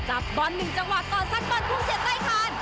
จับบอลหนึ่งจังหวะก่อนสัตว์บอลพรุ่งเสร็จได้ขาด